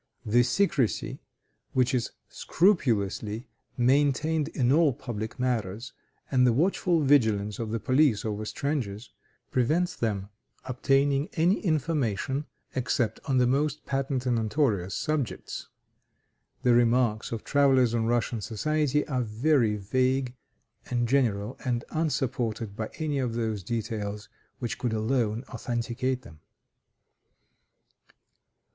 The secrecy which is scrupulously maintained in all public matters, and the watchful vigilance of the police over strangers, prevents them obtaining any information except on the most patent and notorious subjects. The remarks of travelers on Russian society are very vague and general, and unsupported by any of those details which could alone authenticate them.